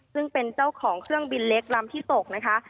ซึ่งเป็นเจ้าของเครื่องบินเล็กลำที่ตกนะคะ